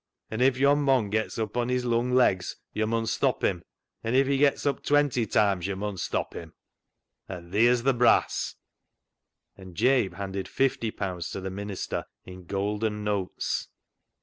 An' if yon mon gets up on his lung legs yo' mun stop him, an' if he gets up twenty toimes yo' mun stop him, — and theer's th' brass." And Jabe handed fifty pounds to the minister in gold and notes.